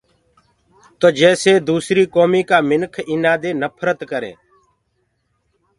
تو جيسي دوسريٚ ڪوميٚ ڪآ مِنک ايٚنآ دي نڦرت ڪَرينٚ۔